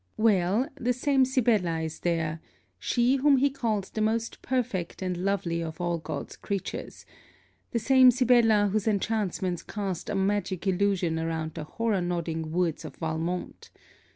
Well: the same Sibella is there she whom he calls the most perfect and lovely of all God's creatures! the same Sibella whose enchantments cast a magic illusion around the horror nodding woods of Valmont!